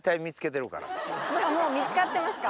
あっもう見つかってますか？